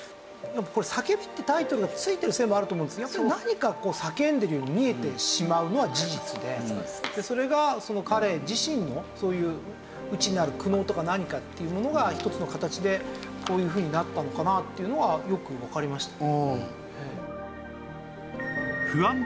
『叫び』ってタイトルがついてるせいもあると思うんですけどやっぱり何か叫んでるように見えてしまうのは事実でそれが彼自身のそういう内なる苦悩とか何かっていうものが１つの形でこういうふうになったのかなっていうのはよくわかりました。